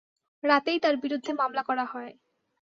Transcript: রাতেই তাঁর বিরুদ্ধে মামলা করা হয়।